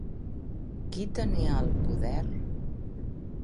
Qui tenia el poder?